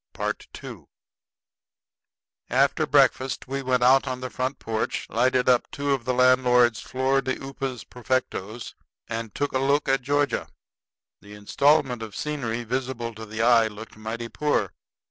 II After breakfast we went out on the front porch, lighted up two of the landlord's flor de upas perfectos, and took a look at Georgia. The installment of scenery visible to the eye looked mighty poor.